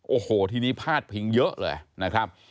โอ้โหทีนี้พาดพิงเยอะเลยนะครับ